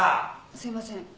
・すいません。